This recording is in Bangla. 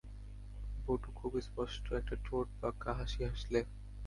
বটু খুব স্পষ্ট একটা ঠোঁটবাঁকা হাসি হাসলে।